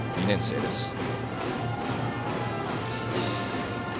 ２年生です。